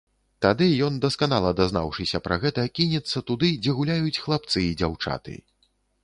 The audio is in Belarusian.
Тады ён, дасканала дазнаўшыся пра гэта, кінецца туды, дзе гуляюць хлапцы і дзяўчаты.